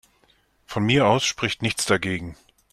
Von mir aus spricht nichts dagegen.